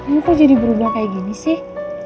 ini kok jadi berubah kayak gini sih